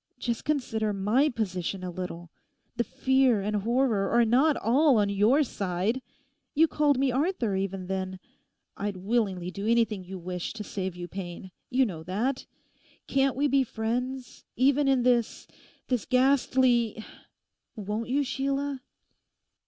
Just consider my position a little. The fear and horror are not all on your side. You called me Arthur even then. I'd willingly do anything you wish to save you pain; you know that. Can't we be friends even in this—this ghastly—Won't you, Sheila?